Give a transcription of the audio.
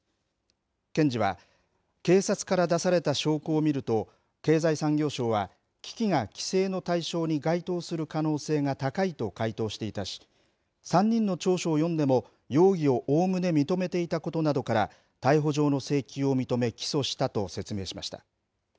検事は、警察から出された証拠を見ると、経済産業省は、機器が規制の対象に該当する可能性が高いと回答していたし、３人の調書を読んでも、容疑をおおむね認めていたことなどから、逮捕状の請求を認め、起訴したと説明しました。